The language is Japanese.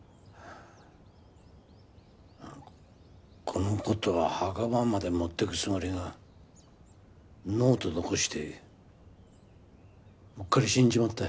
この事は墓場まで持ってくつもりがノート残してうっかり死んじまったよ。